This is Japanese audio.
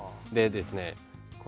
でですね。